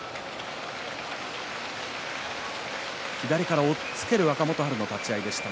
左から押っつける若元春の立ち合いでした。